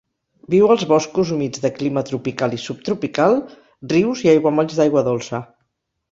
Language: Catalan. Viu als boscos humits de clima tropical i subtropical, rius i aiguamolls d'aigua dolça.